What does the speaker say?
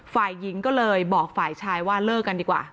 ฝ่ายหญิงก็เลยบอกฝ่ายชายว่าเลิกกันดีกว่า